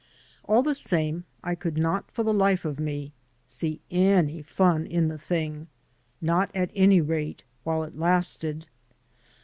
All the same, I could not for the life of me see any fun in the thing, not, at any rate, while it lasted.